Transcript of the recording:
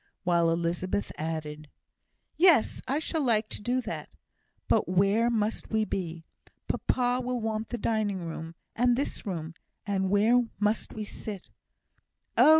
while Elizabeth added, "Yes! I shall like to do that. But where must we be? Papa will want the dining room and this room, and where must we sit?" "Oh!"